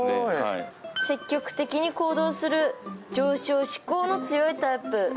積極的に行動する、上昇志向の強いタイプ。